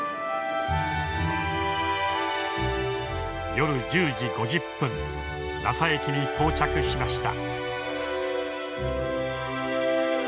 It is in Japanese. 夜１０時５０分ラサ駅に到着しました。